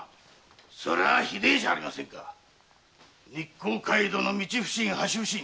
そりゃひでぇじゃありませんか日光街道の道普請橋普請。